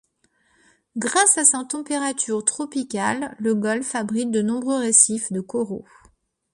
Grâce à sa température tropicale, le golfe abrite de nombreux récifs de coraux.